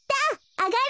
あがり！